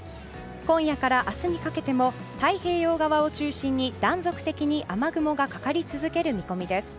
今夜から明日にかけても太平洋側を中心に断続的に雨雲がかかり続ける見込みです。